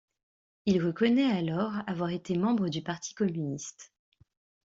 Il reconnaît alors avoir été membre du Parti communiste.